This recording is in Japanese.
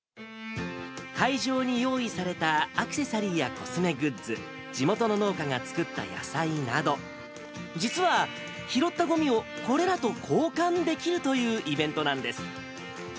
会場に用意されたアクセサリーやコスメグッズ、地元の農家が作った野菜など、実は、拾ったごみをこれらと交換できるというイベントなんです。